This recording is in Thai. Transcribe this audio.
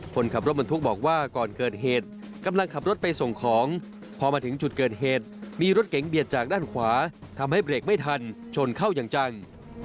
คนขับรถบรรทุกบอกว่าก่อนเกิดเหตุกำลังขับรถไปส่งของพอมาถึงจุดเกิดเหตุมีรถเก๋งเบียดจากด้านขวาทำให้เบรกไม่ทันชนเข้าอย่างจัง